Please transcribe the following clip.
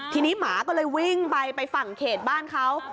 ทีนี้หมาก็เลยวิ่งไปไปฝั่งเขตบ้านเขา